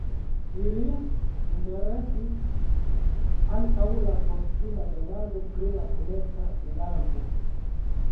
Ilin interesis ankaŭ la proksima demando pri la komerca bilanco.